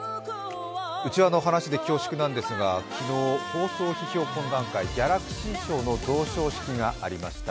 内輪の話で恐縮なんですが昨日放送批評懇談会、ギャラクシー賞の表彰式がありました。